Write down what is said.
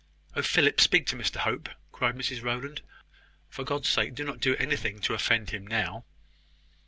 "Oh, Philip! speak to Mr Hope!" cried Mrs Rowland. "For God's sake do not do anything to offend him now!"